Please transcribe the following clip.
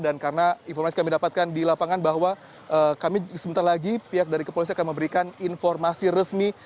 dan karena informasi kami di lapangan bahwa kami sebentar lagi dari pihak kepolisian akan memberikan informasi helped